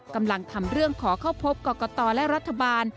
กำลังทำเรื่องขอเข้าพบกรกตและรัฐบาล